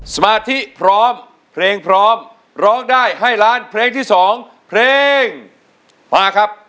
สมาธิพร้อมเพลงพร้อมร้องได้ให้ล้านเพลงที่๒เพลงมาครับ